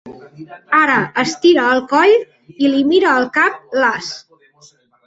Ara estira el coll i li mira el cap las.